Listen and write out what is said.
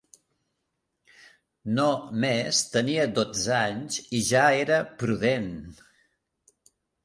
No més tenia dotze anys, i ja era prudent